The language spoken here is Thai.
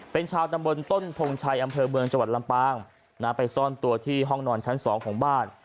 เป็นชาวตำบลต้นพงชัยอำเภอเมืองจังหวัดลำปางไปซ่อนตัวที่ห้องนอนชั้น๒ของบ้าน